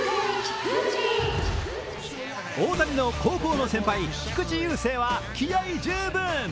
大谷の高校の先輩・菊池雄星は気合い十分。